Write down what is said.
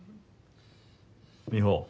美帆。